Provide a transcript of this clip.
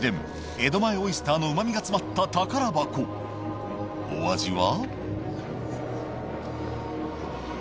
江戸前オイスターの旨味が詰まった宝箱お味は？